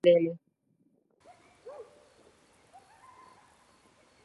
Ufalme wake ni wa milele na milele.